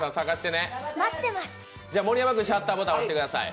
盛山君、シャッターボタンを押してください。